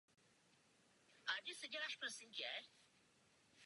Ráno se potkají a řeknou si pravdu.